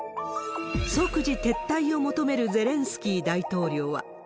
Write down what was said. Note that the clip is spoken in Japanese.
即時撤退を求めるゼレンスキー大統領は。